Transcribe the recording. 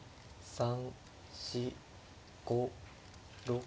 ３４５６。